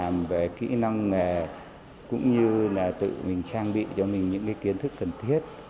làm về kỹ năng nghề cũng như là tự mình trang bị cho mình những cái kiến thức cần thiết